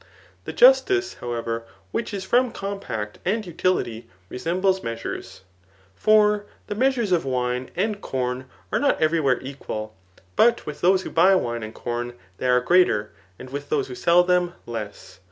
The justice, however, which is from com pact and utility resembles measures. For the measures of wine and com are not every where equal ; but with those who buy wine and com they are greater, and with those who sell them less.